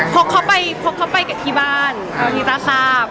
ก็คือตามเขารู้แล้ว